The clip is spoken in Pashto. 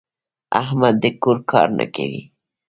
احمد د کور کار نه کوي.